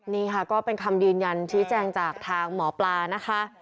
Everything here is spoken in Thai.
นี่ค่ะก็เป็นคำยืนยันชี้แจงจากทางหมอปลานะคะ